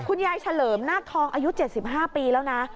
คุณยายเฉลิมหน้าทองอายุ๗๕ปีแล้วนะ